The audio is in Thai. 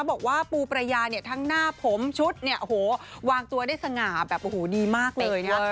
บอกว่าปูประยาเนี่ยทั้งหน้าผมชุดเนี่ยโอ้โหวางตัวได้สง่าแบบโอ้โหดีมากเลยนะ